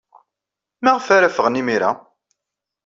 Maɣef ara ffɣen imir-a?